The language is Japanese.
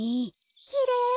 きれい！